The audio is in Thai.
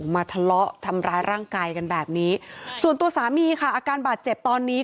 มาทะเลาะทำร้ายร่างกายกันแบบนี้ส่วนตัวสามีค่ะอาการบาดเจ็บตอนนี้